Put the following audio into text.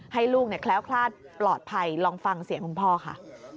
ให้ลูกแคล้วคลาดปลอดภัยลองฟังเสียงคุณพ่อค่ะ